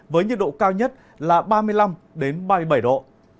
với nhiệt độ cao nhất là ba mươi năm ba mươi bảy độ